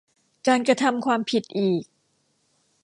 การกระทำความผิดอีก